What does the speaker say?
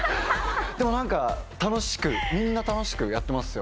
でも何かみんな楽しくやってますよ。